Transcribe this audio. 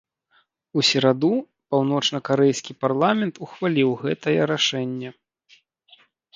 У сераду, паўночнакарэйскі парламент ухваліў гэтае рашэнне.